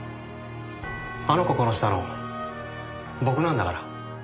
あの子殺したの僕なんだから。